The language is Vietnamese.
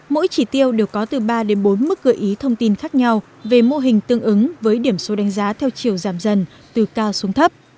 mỗi chỉ tiêu đều có từ ba đến bốn mức gợi ý thông tin khác nhau về mô hình tương ứng với điểm số đánh giá theo chiều giảm dần từ cao xuống thấp